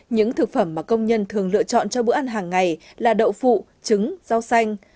những thực phẩm mà công nhân thường lựa chọn cho bữa ăn hàng ngày là đậu phụ trứng rau xanh